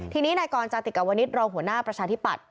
ทีนี้นายก็อันติษฐกรรมใครก็ติกกับวนนิษฐ์โรงหัวหน้าพระชาธิบัตร